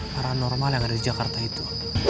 paranormal yang ada di jakarta itu